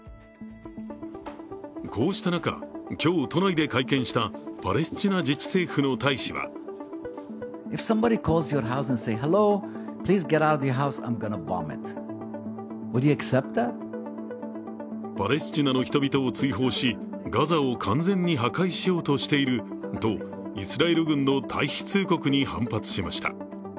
こうした中、今日、都内で会見したパレスチナ自治政府の大使はパレスチナの人々を追放しガザを完全に破壊しようとしているとイスラエル軍の退避通告に反発しました。